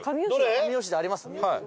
上吉田あります？